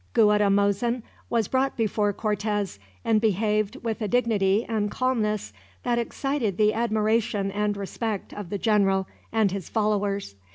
Guatimozin was brought before Cortez, and behaved with a dignity and calmness that excited the admiration and respect of the general and his followers.